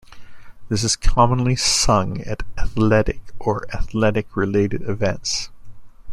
This is commonly sung at athletic, or athletic related events.